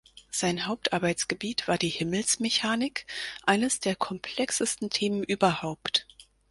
Sein Hauptarbeitsgebiet war die Himmelsmechanik, eines der komplexesten Themen überhaupt.